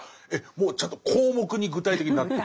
もうちゃんと項目に具体的になってる？